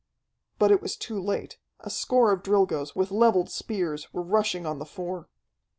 But it was too late. A score of Drilgoes, with leveled spears, were rushing on the four.